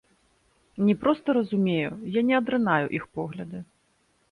Не проста разумею, я не адрынаю іх погляды.